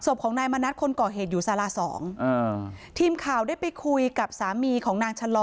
ศพของนายมณัฐคนก่อเหตุอยู่สาราสองอ่าทีมข่าวได้ไปคุยกับสามีของนางชะลอ